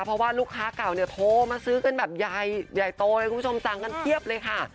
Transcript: เพราะว่าลูกค้าเก่าเนี่ยโทรมาซื้อกันแบบใหญ่โตเลยคุณผู้ชมสั่งกันเพียบเลยค่ะ